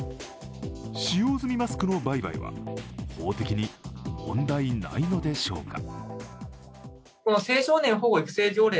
使用済みマスクの売買は法的に問題ないのでしょうか。